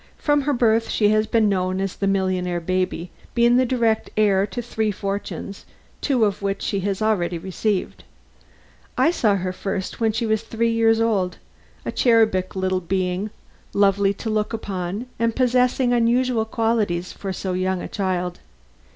From her birth she has been known as the Millionaire Baby, being the direct heir to three fortunes, two of which she had already received. I saw her first when she was three years old a cherubic little being, lovely to look upon and possessing unusual qualities for so young a child.